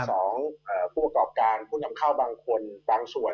๒ผู้จำกราบการผู้ยำเท่าบางคนบางส่วน